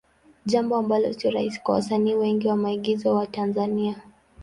Jambo ambalo sio rahisi kwa wasanii wengi wa maigizo wa Tanzania.